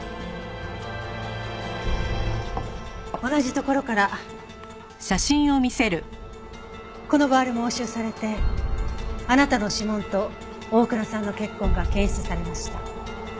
同じ所からこのバールも押収されてあなたの指紋と大倉さんの血痕が検出されました。